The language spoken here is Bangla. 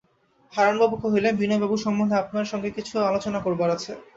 হারানবাবু কহিলেন, বিনয়বাবু সম্বন্ধে আপনার সঙ্গে কিছু আলোচনা করবার আছে।